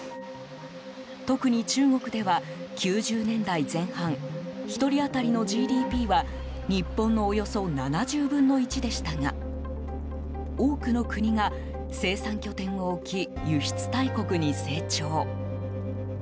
特に中国では、９０年代前半１人当たりのＧＤＰは日本のおよそ７０分の１でしたが多くの国が生産拠点を置き輸出大国に成長。